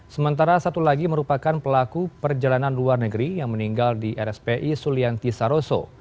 sementara satu lagi merupakan pelaku perjalanan luar negeri yang meninggal di rspi sulianti saroso